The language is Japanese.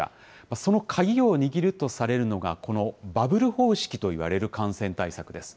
その鍵を握るとされるのが、このバブル方式といわれる感染対策です。